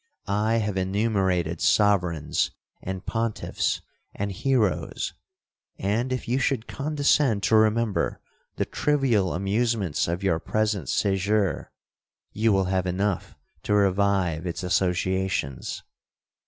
I have enumerated sovereigns, and pontiffs, and heroes,—and if you should condescend to remember the trivial amusements of your present sejour, you will have enough to revive its associations.